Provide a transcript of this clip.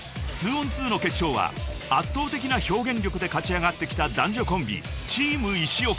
［２ｏｎ２の決勝は圧倒的な表現力で勝ち上がってきた男女コンビ］